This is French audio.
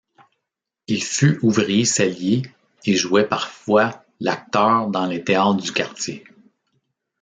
Il fut ouvrier sellier et jouait parfois l'acteur dans les théâtres du quartier.